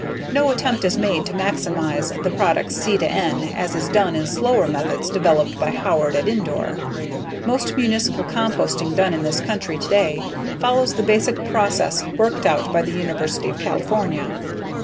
No attempt is made to maximize the product's C/N as is done in slower methods developed by Howard at Indore. Most municipal composting done in this country today follows the basic process worked out by the University of California.